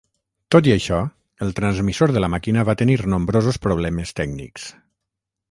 Tot i això, el transmissor de la màquina va tenir nombrosos problemes tècnics.